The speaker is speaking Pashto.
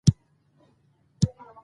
هغه به د مرګ هیله لري.